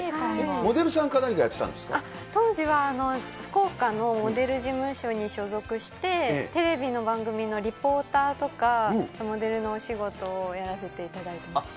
モデルさんか何かやってたん当時は、福岡のモデル事務所に所属して、テレビの番組のリポーターとか、モデルのお仕事をやらせていただいてました。